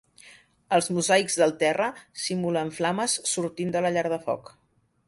Els mosaics del terra simulen flames sortint de la llar de foc.